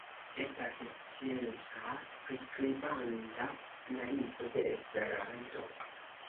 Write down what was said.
Estas scienca, priskribanta analizo de Esperanto.